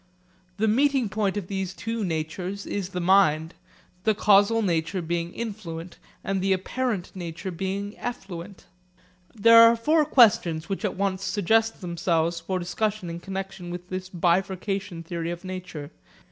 The meeting point of these two natures is the mind, the causal nature being influent and the apparent nature being effluent. There are four questions which at once suggest themselves for discussion in connexion with this bifurcation theory of nature.